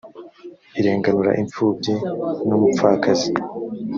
irenganura imfubyi n’umupfakazi,